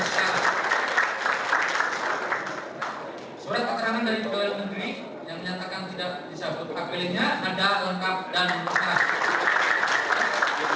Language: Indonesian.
surat keterangan dari pemerintah negeri yang menyatakan tidak bisa berpapilinnya ada lengkap dan penuhi sarang